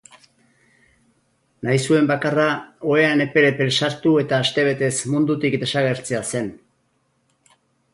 Nahi zuen bakarra ohean epel-epel sartu eta astebetez mundutik desagertzea zen.